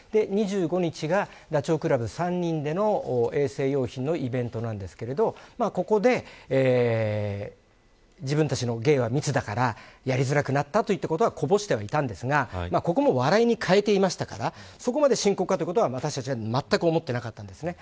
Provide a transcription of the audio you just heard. ２５日がダチョウ倶楽部３人での衛生用品のイベントなんですがここで自分たちの芸は密だからやりづらくなったということはこぼしていたんですがここも笑いに変えていましたからそこまで深刻かということは私たちはまったく思っていなかったんですね。